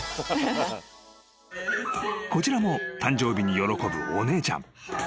［こちらも誕生日に喜ぶお姉ちゃん］